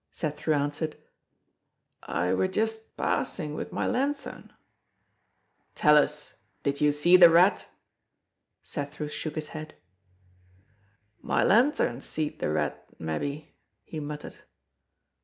Cethru answered: "I were just passin' with my lanthorn!" "Tell us—did you see the rat?" Cethru shook his head: "My lanthorn seed the rat, maybe!" he muttered.